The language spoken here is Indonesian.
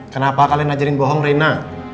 kenapa kalian ajaring bohong rena